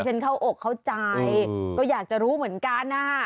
เข้าอกเข้าใจก็อยากจะรู้เหมือนกันนะฮะ